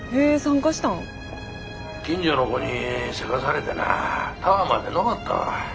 近所の子にせかされてなタワーまで上ったわ。